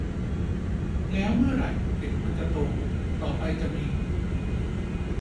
แล้วเมื่อไหร่เด็กมันจะโต ต่อไปจะมี